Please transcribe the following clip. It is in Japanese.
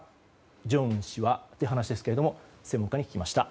正恩氏はという話ですが専門家に聞きました。